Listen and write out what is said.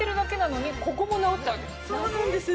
そうなんです。